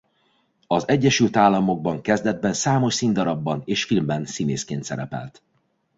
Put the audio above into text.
Az Egyesült Államokban kezdetben számos színdarabban és filmben színészként szerepelt.